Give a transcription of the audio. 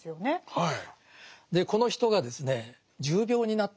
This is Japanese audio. はい。